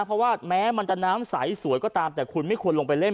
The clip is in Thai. เพราะว่าแม้มันจะน้ำใสสวยก็ตามแต่คุณไม่ควรลงไปเล่น